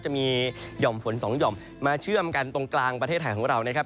จะมีหย่อมฝนสองหย่อมมาเชื่อมกันตรงกลางประเทศไทยของเรานะครับ